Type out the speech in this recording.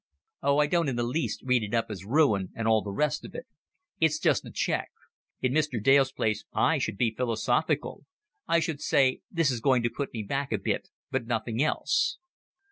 "Oh, I don't in the least read it up as ruin and all the rest of it. It's just a check. In Mr. Dale's place, I should be philosophical. I should say, 'This is going to put me back a bit, but nothing else.'"